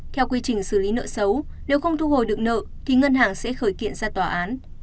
theo quy trình xử lý nợ xấu nếu không thu hồi được nợ thì ngân hàng sẽ khởi kiện ra tòa án